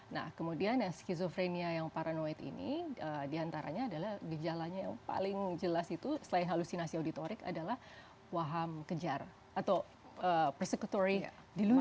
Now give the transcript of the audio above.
nah kemudian yang skizofrenia yang paranoid ini diantaranya adalah gejalanya yang paling jelas itu selain halusinasi auditorik adalah waham kejar atau persecutory di luar